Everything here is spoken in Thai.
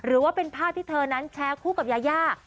หรือว่าเป็นภาพที่เธอนั้นแชร์คู่กับยายา